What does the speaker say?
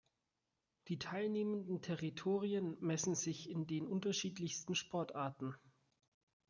Die teilnehmenden Territorien messen sich in den unterschiedlichsten Sportarten.